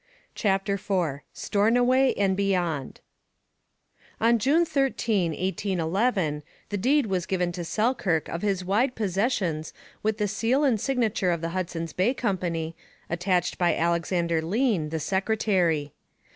CHAPTER IV STORNOWAY AND BEYOND On June 13, 1811, the deed was given to Selkirk of his wide possessions with the seal and signature of the Hudson's Bay Company, attached by Alexander Lean, the secretary.